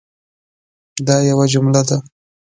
دا یوه جمله ده